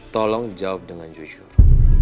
tolong jawab dengan jujur